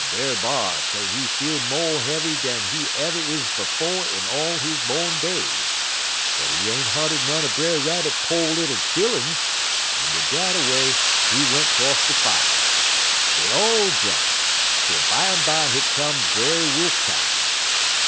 Brer B'ar say he feel mo' heavy dan he ever is befo' in all he born days, but he ain't hurted none er Brer Rabbit po' little chilluns, en wid dat away he went 'cross de fier. Dey all jump, twel bimeby hit come Brer Wolf time.